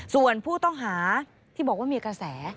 ส่วนผู้ต้องหาที่บอกว่ามีกระแส